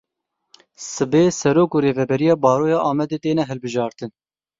Sibê Serok û Rêveberiya Baroya Amedê têne hilbijartin.